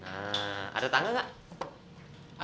nah ada tangga gak